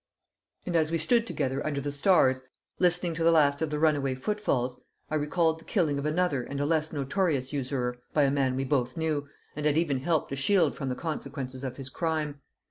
And as we stood together under the stars, listening to the last of the runaway footfalls, I recalled the killing of another and a less notorious usurer by a man we both knew, and had even helped to shield from the consequences of his crime.